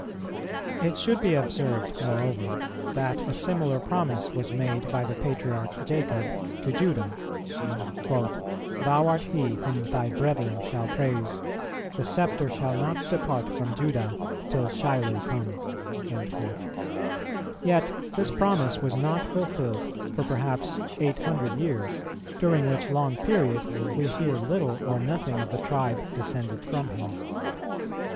It should be observed, moreover, that a similar promise was made by the patriarch Jacob to Judah: "Thou art he whom thy brethren shall praise: the sceptre shall not depart from Judah till Shiloh come;" yet this promise was not fulfilled for perhaps eight hundred years, during which long period we hear little or nothing of the tribe descended from him.